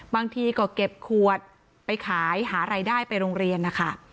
บางทีก็เก็บขวดไปขายหารายได้ไปโรงเรียนนะคะ